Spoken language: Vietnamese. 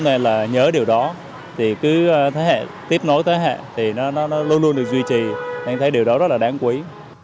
thế thì cứ tiếp nối thế hệ thì nó luôn luôn được duy trì nên thấy điều đó rất là đáng quý